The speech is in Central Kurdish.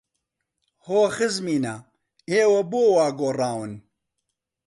هۆ خزمینە، ئێوە بۆ وا گۆڕاون!